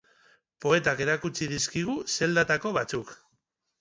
Poetak erakutsi dizkigu zeldatako batzuk.